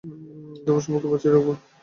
তোমার সম্পর্ককে বাঁচিয়ে রাখবে।